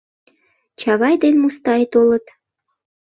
Чавай ден Мустай толыт.